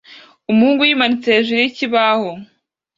Umuhungu yimanitse hejuru yikibaho